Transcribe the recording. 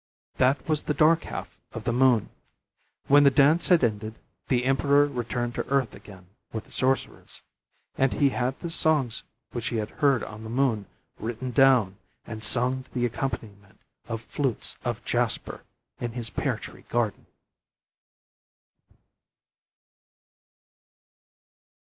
That was the dark half of the moon. When the dance had ended, the emperor returned to earth again with the sorcerers. And he had the songs which he had heard on the moon written down and sung to the accompaniment of flutes of jasper in his pear tree garden.